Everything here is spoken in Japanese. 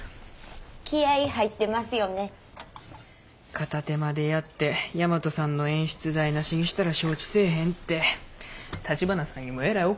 片手間でやって大和さんの演出台なしにしたら承知せえへんって橘さんにもえらい怒られたわ。